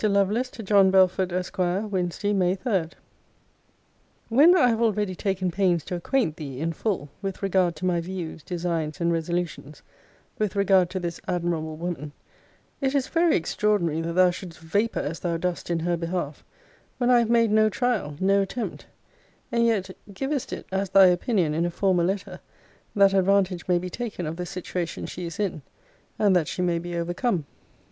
LOVELACE, TO JOHN BELFORD, ESQ. WEDNESDAY, MAY 3. When I have already taken pains to acquaint thee in full with regard to my views, designs, and resolutions, with regard to this admirable woman, it is very extraordinary that thou shouldst vapour as thou dost in her behalf, when I have made no trial, no attempt: and yet, givest it as thy opinion in a former letter, that advantage may be taken of the situation she is in; and that she may be overcome.